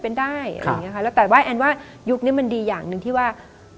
เป็นได้เป็นได้แต่ว่าแอนว่ายุคนี้มันดีอย่างนึงที่ว่า